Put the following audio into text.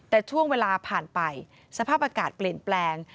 แต่ช่วงเวลาผ่านไปสภาพอากาศเปลี่ยนแปลง